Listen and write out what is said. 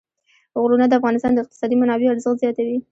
غرونه د افغانستان د اقتصادي منابعو ارزښت زیاتوي.